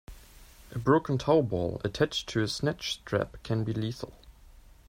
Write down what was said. A broken towball attached to a snatch strap can be lethal.